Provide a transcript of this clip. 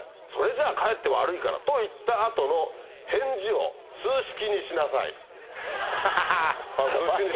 「それじゃあかえって悪いから」と言った後の返事を数式にしなさい！！